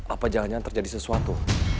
apa jalan yang terjadi sesuatu